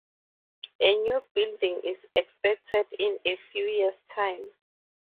A new building is expected in a few years' time.